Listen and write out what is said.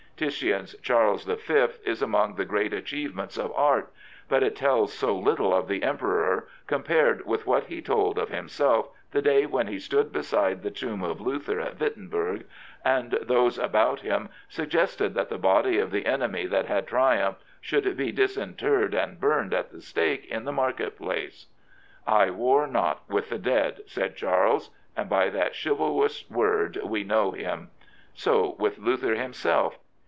Titian's "Charles V." is among the great achievements of art, but it tells so little of the Emperor compared with what he told of himself the day when he stood beside the tomb of Luther at Wittenberg, and those about him suggested that the body of the enemy that had triumphed should be disinterred and burned at the stake in the market place. " I war not with the dead," said Charles, and by that chivalrous word we know him. So with Luther himself.